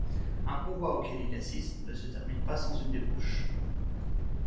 Un convoi auquel il assiste ne se termine pas sans une débauche !